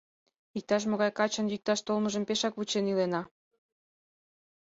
— Иктаж-могай качын йӱкташ толмыжым пешак вучен ила...